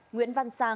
nguyễn văn sa